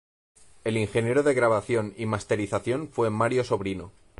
El ingeniero de grabación y masterización fue Mario Sobrino.